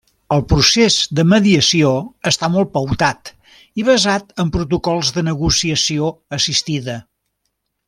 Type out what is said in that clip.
El procés de mediació està molt pautat i basat en protocols de negociació assistida.